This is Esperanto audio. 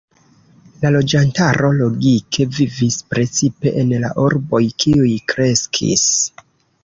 La loĝantaro logike vivis precipe en la urboj, kiuj kreskis.